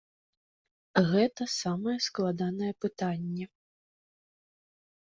Гэта самае складанае пытанне.